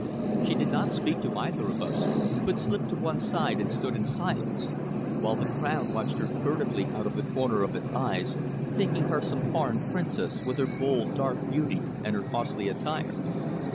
She did not speak to either of us, but slipped to one side and stood in silence while the crowd watched her furtively out of the corner of its eyes, thinking her some foreign princess, with her bold, dark beauty and her costly attire.